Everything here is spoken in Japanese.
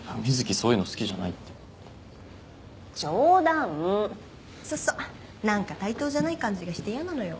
そういうの好きじゃないって冗談そうそうなんか対等じゃない感じがして嫌なのよ